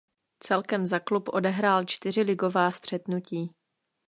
Celkem za klub odehrál čtyři ligová střetnutí.